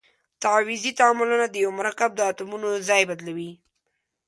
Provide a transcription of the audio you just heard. تعویضي تعاملونه د یوه مرکب د اتومونو ځای بدلوي.